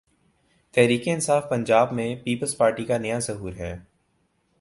تحریک انصاف پنجاب میں peoples party کا نیا ظہور ہے۔